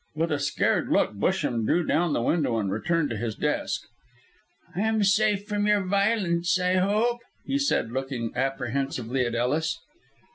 With a scared look Busham drew down the window and returned to his desk. "I am safe from your violence I hope?" he said, looking apprehensively at Ellis.